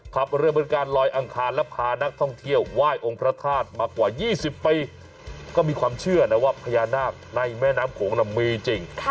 ขับเรือบริการลอยอังคารและพานักท่องเที่ยวไหว้องค์พระธาตุมากว่า๒๐ปีก็มีความเชื่อนะว่าพญานาคในแม่น้ำโขงมีจริง